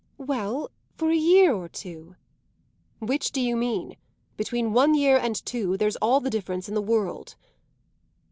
"Well, for a year or two." "Which do you mean? Between one year and two there's all the difference in the world."